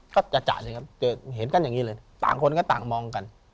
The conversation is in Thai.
ก็จะสิครับจะเห็นกันอย่างนี้เลยต่างคนก็ต่างมองกัน